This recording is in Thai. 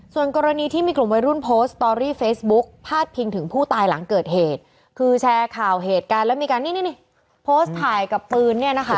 ส่วนกรณีที่มีกลุ่มวัยรุ่นโพสต์สตอรี่เฟซบุ๊กพาดพิงถึงผู้ตายหลังเกิดเหตุคือแชร์ข่าวเหตุการณ์แล้วมีการนี่นี่โพสต์ถ่ายกับปืนเนี่ยนะคะ